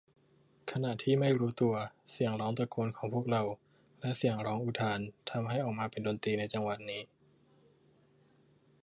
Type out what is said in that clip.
ขณะที่ไม่รู้ตัว เสียงร้องตะโกนของพวกเรา และเสียงร้องอุทาน ทำให้ออกมาเป็นดนตรีในจังหวะนี้